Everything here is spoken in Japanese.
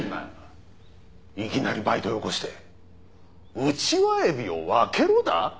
いきなりバイトよこしてウチワエビを分けろだ？